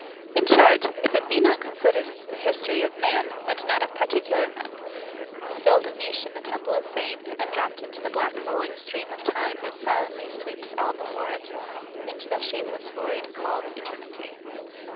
In short, if it be not considered as the history of man; and not of particular men, who filled a niche in the temple of fame, and dropped into the black rolling stream of time, that silently sweeps all before it, into the shapeless void called eternity.